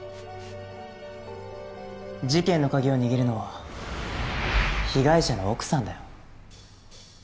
事件の鍵を握るのは被害者の奥さんだよ。